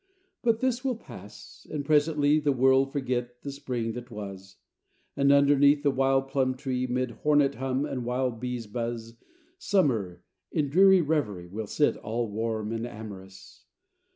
But this will pass; and presently The world forget the spring that was; And underneath the wild plum tree, 'Mid hornet hum and wild bee's buzz, Summer, in dreamy reverie, Will sit all warm and amorous.